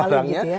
nampak ya orangnya